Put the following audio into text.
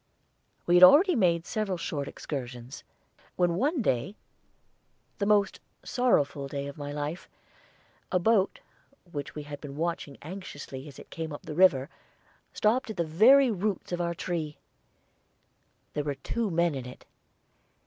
We had already made several short excursions, when one day the most sorrowful day of my life a boat, which we had been watching anxiously as it came up the river, stopped at the very roots of our tree. There were two men in it.